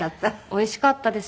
おいしかったです。